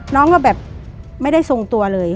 น้องก็แบบไม่ได้ทรงตัวเลย